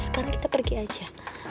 sekarang kita pergi aja